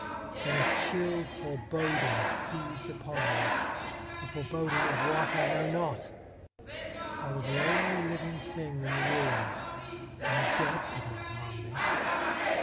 Then a chill foreboding seized upon me — a foreboding of wbat I know not. I was the only living thing in the room, and the dead could not harm me.